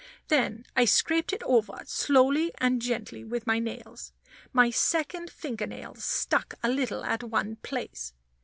Then I scraped it over slowly and gently with my nails. My second finger nail stuck a little at one place.